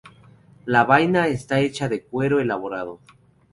La vaina está hecha de cuero elaborado.